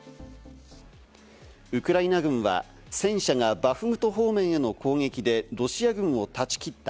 ウクライナ軍は、戦車がバフムト方面への攻撃でロシア軍を断ち切った。